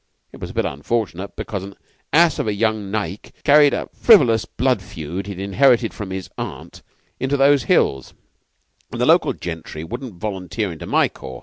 It was a bit unfortunate, because an ass of a young Naick carried a frivolous blood feud he'd inherited from his aunt into those hills, and the local gentry wouldn't volunteer into my corps.